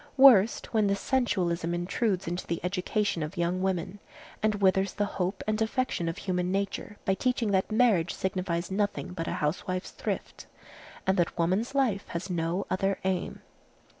Worst, when this sensualism intrudes into the education of young women, and withers the hope and affection of human nature by teaching that marriage signifies nothing but a housewife's thrift, and that woman's life has no other aim.